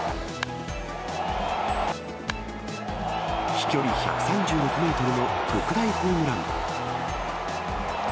飛距離１３６メートルの特大ホームラン。